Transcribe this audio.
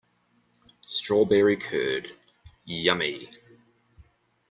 Strawberry curd, yummy!